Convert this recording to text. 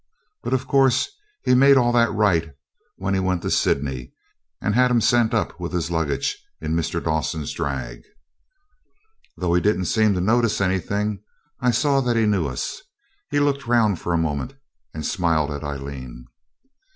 But of course he'd made all that right when he went to Sydney, and had 'em sent up with his luggage in Mr. Dawson's drag. Though he didn't seem to notice anything, I saw that he knew us. He looked round for a moment, and smiled at Aileen.